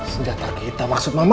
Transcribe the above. senjata kita maksud mama